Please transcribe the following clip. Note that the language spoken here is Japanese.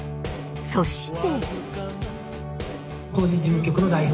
そして。